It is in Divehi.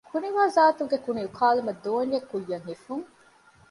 ކުނިވާޒާތުގެ ކުނިއުކާލުމަށް ދޯންޏެއް ކުއްޔަށް ހިފުން